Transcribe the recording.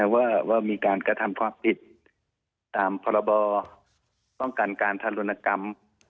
ว่ามีการกระทำความผิดตามพรบป้องกันการทารุณกรรม